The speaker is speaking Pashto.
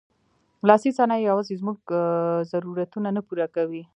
لاسي صنایع یوازې زموږ ضرورتونه نه پوره کوي.